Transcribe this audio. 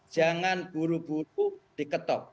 jangan buru buru diketok